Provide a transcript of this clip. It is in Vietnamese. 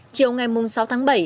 chiều ngày mùng sáu tháng bảy